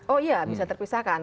oh iya bisa terpisahkan